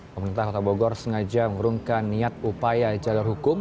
pemerintah kota bogor sengaja mengurungkan niat upaya jalur hukum